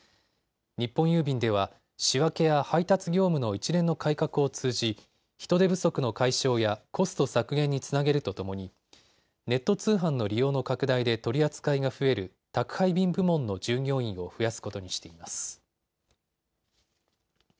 日本郵便では、仕分けや配達業務の一連の改革を通じ、人手不足の解消やコスト削減につなげるとともにネット通販の利用の拡大で取り扱いが増える宅配便部門の従業員を増やすことにしています。